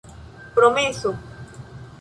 Promeso.